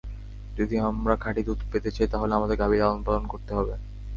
যদি আমরা খাঁটি দুধ পেতে চাই, তাহলে আমাদের গাভী লালন-পালন করতে হবে।